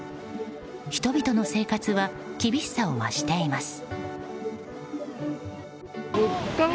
人々の生活は厳しさを増しています。